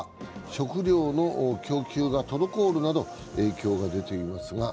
食料の供給が滞るなど、影響が出ています。